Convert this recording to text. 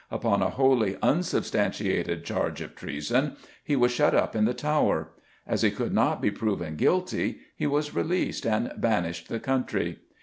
Upon a wholly unsubstantiated charge of treason he was shut up in the Tower; as he could not be proven guilty, he was released and banished the country.